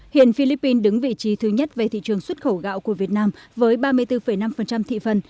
hiện philippines đứng vị trí thứ nhất về thị trường xuất khẩu gạo của việt nam với ba mươi bốn năm thị phần